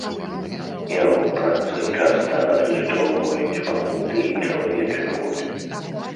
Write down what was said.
Яго працы часта адлюстроўваюць пакуты і чалавечы боль.